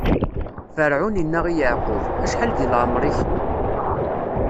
Ferɛun inna i Yeɛqub: Acḥal di lɛemṛ-ik?